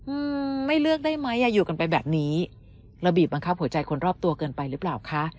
อืมไม่เลือกได้ไหมอ่ะอยู่กันไปแบบนี้เราบีบบังคับหัวใจคนรอบตัวเกินไปหรือเปล่าคะ